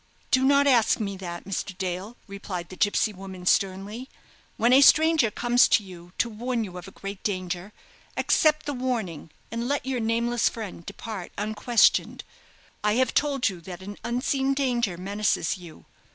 "Do not ask me that, Mr. Dale," replied the gipsy woman, sternly; "when a stranger comes to you to warn you of a great danger, accept the warning, and let your nameless friend depart unquestioned. I have told you that an unseen danger menaces you.